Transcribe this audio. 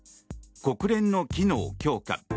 国連の機能強化